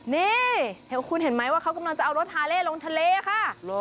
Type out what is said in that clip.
นี่เห็นคุณเห็นไหมว่าเขากำลังจะเอารถฮาเล่ลงทะเลค่ะ